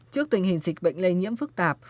trước tình hình dịch bệnh lây nhiễm phức tạp